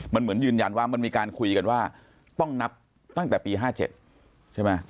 มันเหมือนยืนยันว่ามันมีการคุยกันว่าต้องนับตั้งแต่ปี๕๗ใช่ไหม